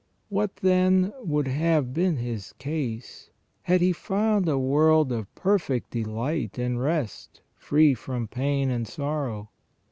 What, then, would have been his case, had he found a world of perfect delight and rest, free from pain and sorrow